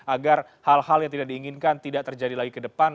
agar hal hal yang tidak diinginkan tidak terjadi lagi ke depan